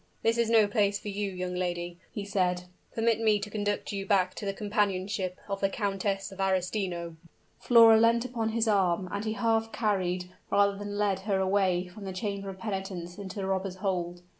"This is no place for you, young lady," he said. "Permit me to conduct you back to the companionship of the Countess of Arestino." Flora leant upon his arm, and he half carried, rather than led her away from the chamber of penitence into the robbers' hold.